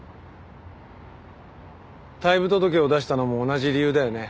退部届を出したのも同じ理由だよね？